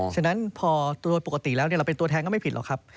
ฉะนั้นพอโดยปกติแล้วเราเป็นตัวแทนก็ไม่ผิดหรอกครับ